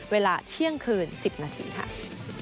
เวลาเที่ยงคืน๑๐นาทีค่ะ